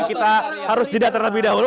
kita harus jeda terlebih dahulu